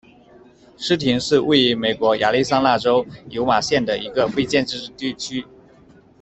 斯廷是位于美国亚利桑那州尤马县的一个非建制地区。